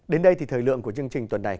đến đây thì thời lượng của chương trình tuần này